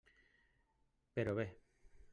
Però bé.